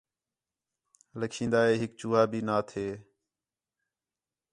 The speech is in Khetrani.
لَکھین٘دا ہِے ہِک چوہا بھی نہ تھے